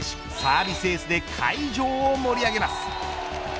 代名詞、サービスエースで会場を盛り上げます。